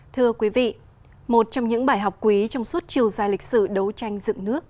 thưa quý vị một trong những bài học quý trong suốt chiều dài lịch sử đấu tranh dựng nước